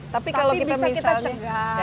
tapi bisa kita cegah